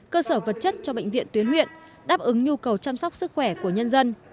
cơ sở vật chất cho bệnh viện tuyến huyện đáp ứng nhu cầu chăm sóc sức khỏe của nhân dân